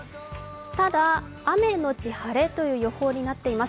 ただ、雨のち晴れという予報になっています。